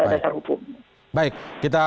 dasar hukum baik kita